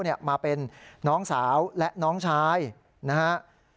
มาเป็นน้องสาวและน้องชายนะฮะ